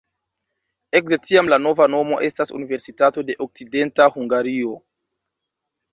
Ekde tiam la nova nomo estas Universitato de Okcidenta Hungario.